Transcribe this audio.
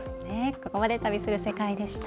ここまで「旅する世界」でした。